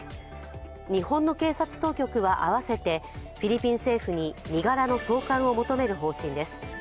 日本の警察当局はあわせてフィリピン政府に身柄の送還を認める方針です。